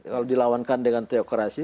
kalau dilawankan dengan teokrasi